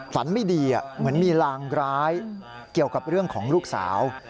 ฝันไม่ดีเหมือนมีลางร้ายเกี่ยวกับเรื่องของลูกสาว